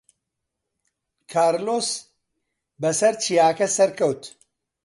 کارلۆس بەسەر چیاکە سەرکەوت.